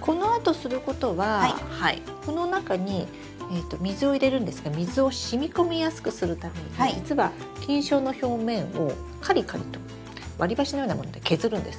このあとすることはこの中に水を入れるんですが水をしみこみやすくするために実は菌床の表面をカリカリと割り箸のようなもので削るんです。